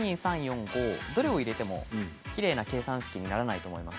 どれを入れてもきれいな計算式にならないと思います。